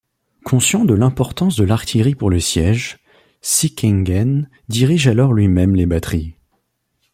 Conscient de l’importance de l’artillerie pour les sièges, Sickingen dirige alors lui-même les batteries.